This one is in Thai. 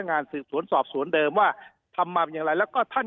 งานสืบสวนสอบสวนเดิมว่าทำมาเป็นอย่างไรแล้วก็ท่าน